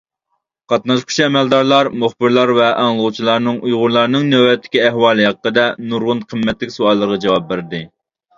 قاتناشقۇچى ئەمەلدارلار مۇخبىرلار ۋە ئاڭلىغۇچىلارنىڭ ئۇيغۇرلارنىڭ نۆۋەتتىكى ئەھۋالى ھەققىدە نۇرغۇن قىممەتلىك سوئاللىرىغا جاۋاب بەردى.